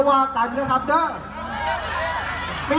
จะให้เขาเล่นต่อไปเรื่อย